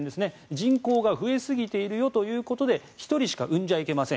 人口が増えすぎているよということで１人しか生んじゃいけません